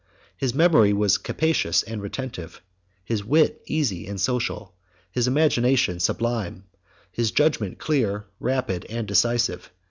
His memory was capacious and retentive; his wit easy and social; his imagination sublime; his judgment clear, rapid, and decisive.